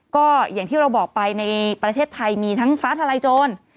ก็อย่างที่เราบอกไปในประเทศไทยมีทั้งฟ้าทลายโจร